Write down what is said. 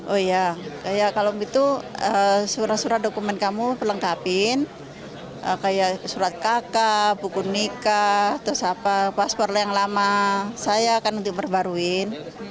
oh iya kalau begitu surat surat dokumen kamu perlengkapin kayak surat kakak buku nikah paspor yang lama saya akan berbaruin